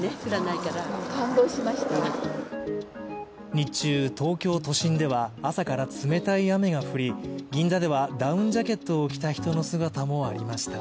日中、東京都心では朝から冷たい雨が降り、銀座ではダウンジャケットを着た人の姿もありました。